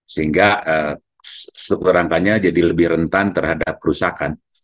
sehingga rangkanya jadi lebih rentan terhadap kerusakan